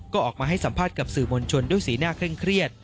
ก็ออกมาให้สัมภาษณ์กับสื่อมวลชนด้วยสีหน้าเคร่งเครียด